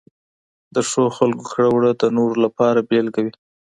د ښه خلکو کړه وړه د نورو لپاره بېلګه وي.